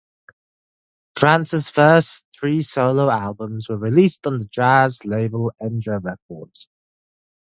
Krantz's first three solo albums were released on the jazz label Enja Records.